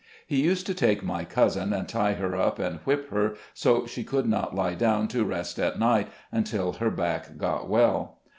He used to take my cousin and tie her up and whip her so she could not lie down to rest at night until her back got well.